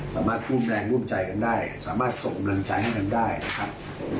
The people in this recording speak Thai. สามารถร่วมแรงร่วมใจกันได้สามารถส่งกำลังใจให้กันได้นะครับ